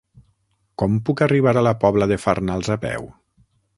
Com puc arribar a la Pobla de Farnals a peu?